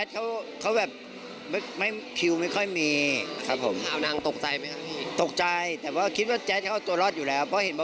อ๋อแต่ว่าแตกแหกมงลงโอ้มันกระสอบชอบ